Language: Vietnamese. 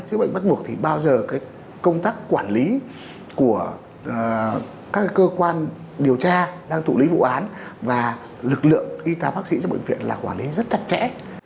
chữa bệnh bắt buộc thì bao giờ công tác quản lý của các cơ quan điều tra đang thụ lý vụ án và lực lượng y táo bác sĩ trong bệnh viện là quản lý rất chặt chẽ